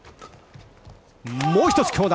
もう一つ強打！